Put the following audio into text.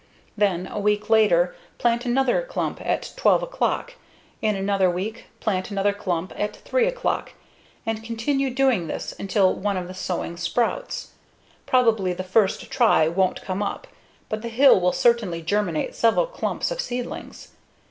Then, a week later, plant another clump at 12 o'clock. In another week, plant another clump at 3 o'clock, and continue doing this until one of the sowings sprouts. Probably the first try won't come up, but the hill will certainly germinate several clumps of seedlings.